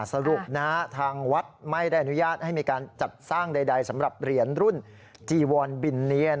สรุปทางวัดไม่ได้อนุญาตให้มีการจัดสร้างใดสำหรับเหรียญรุ่นจีวอนบินเนียน